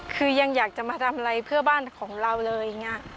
คือยังอยากจะมาทำอะไรเพื่อบ้านของเราเลยอย่างนี้